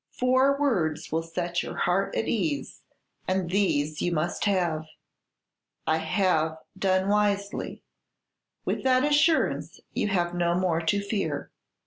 Four words will set your heart at ease, and these you must have: 'I have done wisely;' with that assurance you have no more to fear.